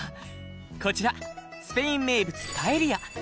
こちらスペイン名物パエリア。